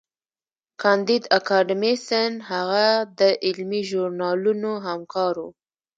کانديد اکاډميسن هغه د علمي ژورنالونو همکار و.